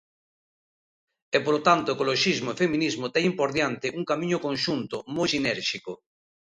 E polo tanto ecoloxismo e feminismo teñen por diante un camiño conxunto, moi sinérxico.